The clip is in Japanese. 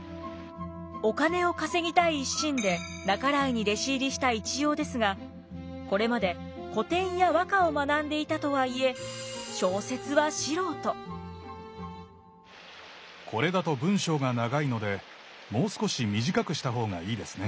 お金を稼ぎたい一心で半井に弟子入りした一葉ですがこれまで古典や和歌を学んでいたとはいえこれだと文章が長いのでもう少し短くした方がいいですね。